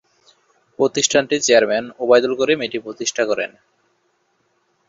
প্রতিষ্ঠানটির চেয়ারম্যান ওবায়দুল করিম এটি প্রতিষ্ঠা করেন।